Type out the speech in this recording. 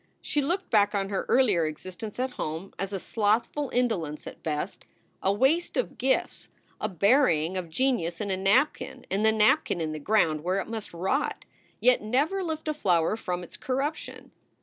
She looked back on her earlier existence at home as a slothful indolence at best, a waste of gifts, a burying of genius in a napkin and the napkin in the ground where it must rot, yet never lift a flower from its corruption.